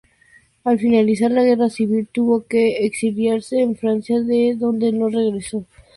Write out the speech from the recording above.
Al finalizar la guerra civil, tuvo que exiliarse en Francia, de donde no regresó.